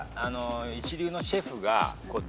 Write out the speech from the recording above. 一流のシェフが出すと。